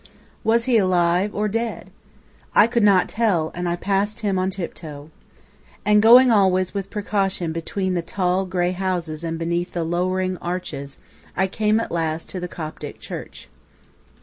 Was he alive or dead? I could not tell, and I passed him on tiptoe. And going always with precaution between the tall, grey houses and beneath the lowering arches, I came at last to the Coptic church.